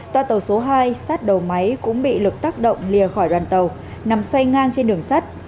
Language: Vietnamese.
toa tàu số hai sát đầu máy cũng bị lực tác động lìa khỏi đoàn tàu nằm xoay ngang trên đường sắt